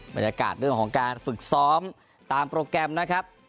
บรรยากาศเรื่องของการฝึกซ้อมตามโปรแกรมนะครับ